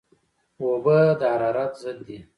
اوبه د حرارت ضد دي